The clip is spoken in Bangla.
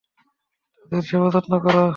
তাদের সেবাযত্ন কর।